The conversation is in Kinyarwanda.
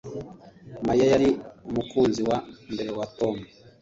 Mariya yari umukunzi wa mbere wa Tom